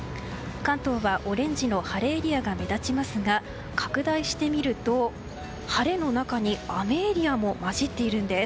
関東はオレンジの晴れエリアが目立ちますが拡大してみると晴れの中に雨エリアも交じっているんです。